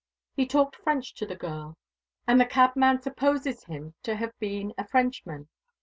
He talked French to the girl, and the cabman supposes him to have been a Frenchman.